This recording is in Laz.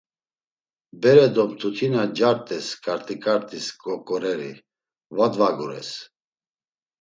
Bere do mtutina ncart̆es ǩartiǩartis goǩoreri, va dvagures.